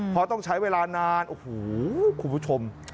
เพราะต้องใช้เวลานานโอ้โหคุณผู้ชม